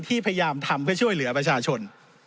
พยายามทำเพื่อช่วยเหลือประชาชน